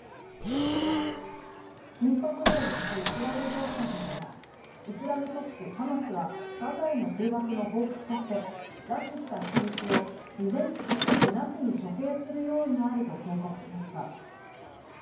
緊迫度を増すイスラエル情勢ですがイスラム組織ハマスはガザへの空爆の報復として拉致した人質を事前通告なしに処刑する用意があると警告しました。